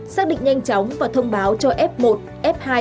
xác định nhanh chóng và thông báo cho f một f hai